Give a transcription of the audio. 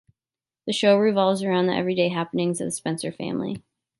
The show revolves around the everyday happenings of the Spencer family.